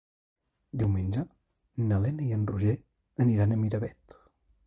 Diumenge na Lena i en Roger aniran a Miravet.